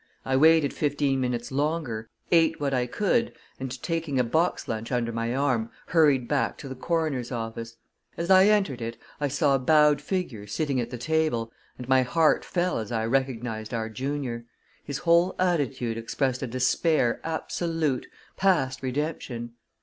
I waited fifteen minutes longer, ate what I could, and, taking a box lunch under my arm, hurried back to the coroner's office. As I entered it, I saw a bowed figure sitting at the table, and my heart fell as I recognized our junior. His whole attitude expressed a despair absolute, past redemption.